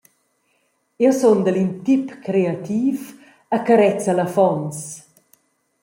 Jeu sundel in tip creativ e carezel affons.